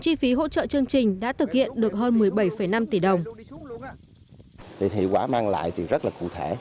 hiệu quả mang lại rất cụ thể